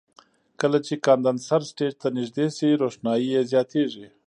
کله چې کاندنسر سټیج ته نږدې شي روښنایي یې زیاتیږي.